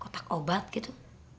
kotak obat gitu